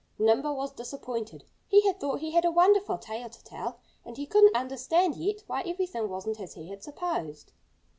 Nimble was disappointed. He had thought he had a wonderful tale to tell. And he couldn't understand yet why everything wasn't as he had supposed.